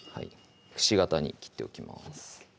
くし形に切っておきます